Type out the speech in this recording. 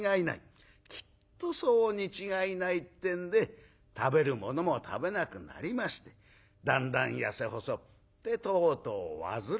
きっとそうに違いないってんで食べるものも食べなくなりましてだんだん痩せ細ってとうとう患ってしまいました』